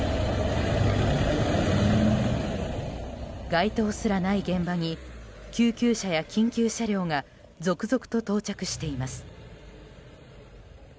街灯すらない現場に救急車や緊急車両が続々と到着しています。